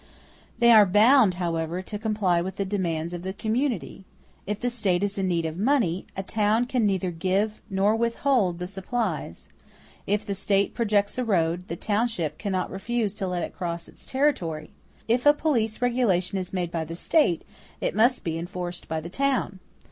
They are bound, however, to comply with the demands of the community. If the State is in need of money, a town can neither give nor withhold the supplies. If the State projects a road, the township cannot refuse to let it cross its territory; if a police regulation is made by the State, it must be enforced by the town.